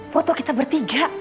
foto kita bertiga